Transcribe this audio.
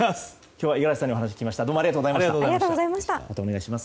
今日は五十嵐さんにお話を伺いました。